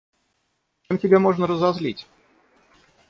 Чем тебя можно разозлить?